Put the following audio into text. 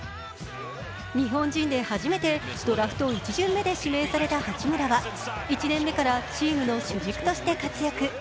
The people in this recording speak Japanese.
日本人で初めてドラフト１巡目で指名された八村は、１年目からチームの主軸として活躍